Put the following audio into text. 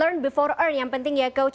learn before earn yang pentingnya itu kan ya